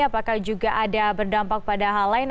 apakah juga ada berdampak pada hal lain